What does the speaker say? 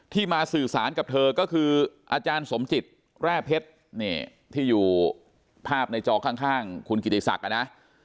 มาสื่อสารกับเธอก็คืออาจารย์สมจิตแร่เพชรที่อยู่ภาพในจอข้างคุณกิติศักดิ์นะ